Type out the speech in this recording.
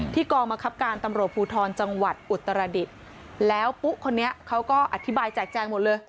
กองบังคับการตำรวจภูทรจังหวัดอุตรดิษฐ์แล้วปุ๊คนนี้เขาก็อธิบายแจกแจงหมดเลย